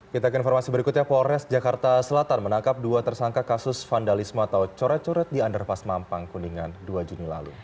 kita ke informasi berikutnya polres jakarta selatan menangkap dua tersangka kasus vandalisme atau coret coret di underpas mampang kuningan dua juni lalu